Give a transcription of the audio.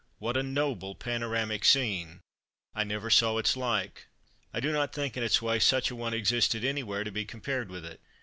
What a noble panoramic scene! I never saw its like. I do not think, in its way, such an one existed anywhere to be compared with it.